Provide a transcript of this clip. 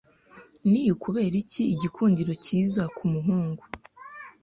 Ni ukubera iki igikundiro cyiza kumuhungu